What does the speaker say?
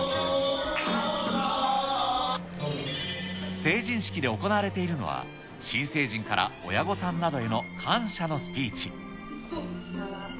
成人式で行われているのは、新成人から親御さんなどへの感謝のスピーチ。